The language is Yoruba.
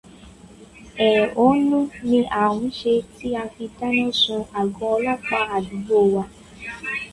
Ẹ̀hónú ni a ń ṣe tí a fi dáná sun àgọ́ ọlọ́pàá àdúgbò wa.